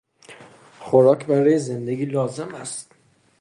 خوراک برای زندگی لازم است.